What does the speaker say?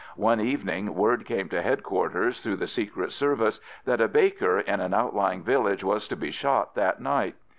One evening word came to headquarters through the secret service that a baker in an outlying village was to be shot that night.